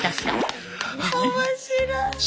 面白い。